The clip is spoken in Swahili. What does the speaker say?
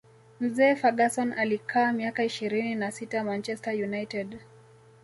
mzee Ferguson alikaa miaka ishirini na sita manchester united